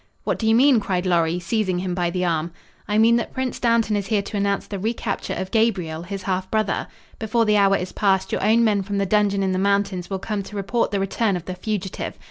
"What do you mean?" cried Lorry, seizing him by the arm. "I mean that Prince Dantan is here to announce the recapture of Gabriel, his half brother. Before the hour is past your own men from the dungeon in the mountains will come to report the return of the fugitive.